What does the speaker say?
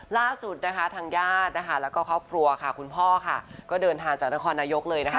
ล่าสุดนะคะทางญาตินะคะแล้วก็ครอบครัวค่ะคุณพ่อค่ะก็เดินทางจากนครนายกเลยนะคะ